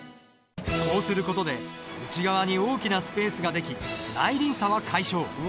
こうする事で内側に大きなスペースが出来内輪差は解消。